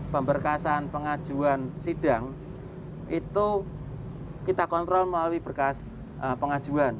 pemberkasan pengajuan sidang itu kita kontrol melalui berkas pengajuan